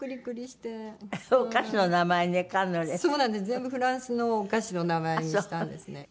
全部フランスのお菓子の名前にしたんですね。